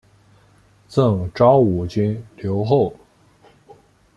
赠昭武军留后。